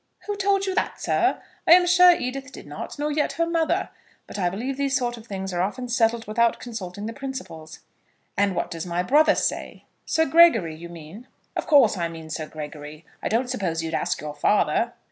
"Who told you that, sir? I am sure Edith did not, nor yet her mother. But I believe these sort of things are often settled without consulting the principals." "And what does my brother say?" "Sir Gregory, you mean?" "Of course I mean Sir Gregory. I don't suppose you'd ask your father."